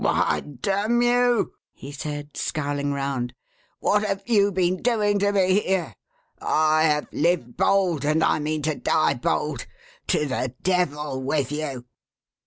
" Why, d — n you !" he said, scowling round, " what have you been doing to me here ! I have lived bold, and I mean to die bold. To the Devil with you